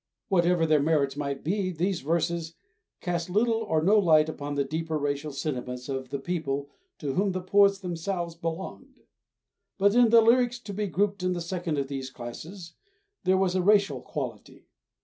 Whatever their merits might be, these verses cast little or no light upon the deeper racial sentiments of the people to whom the poets themselves belonged. But in the lyrics to be grouped in the second of these classes there was a racial quality.